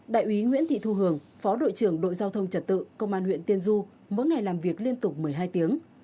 đại úy nguyễn thị thu hường phó đội trưởng đội giao thông trật tự công an huyện tiên du mỗi ngày làm việc liên tục một mươi hai tiếng